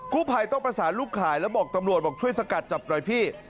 ผู้ภัยต้องประสานลูกขายแล้วบอกตำรวจบอกช่วยสกัดจับหน่อยพี่